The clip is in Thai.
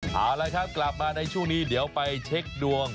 เอาละครับกลับมาในช่วงนี้เดี๋ยวไปเช็คดวง